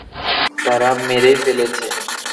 তারা মেরে ফেলেছে।